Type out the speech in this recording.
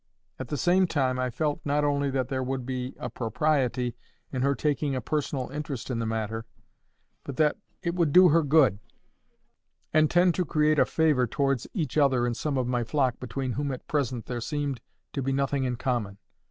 At the same time, I felt not only that there would be a propriety in her taking a personal interest in the matter, but that it would do her good, and tend to create a favour towards each other in some of my flock between whom at present there seemed to be nothing in common.